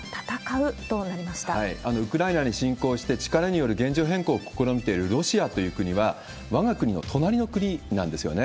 ウクライナに侵攻して、力による現状変更を試みているロシアという国は、わが国の隣の国なんですよね。